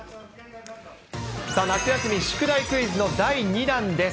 夏休み宿題クイズの第２弾です。